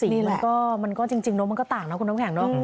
นี่มันก็จริงเนอะมันก็ต่างนะคุณน้ำแข็งเนาะ